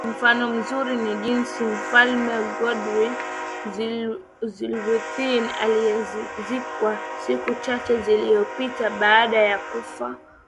Mfano mzuri ni jinsi mfalme Goodwill Zwelithini aliyezikwa siku chache zilizopita baada ya kufa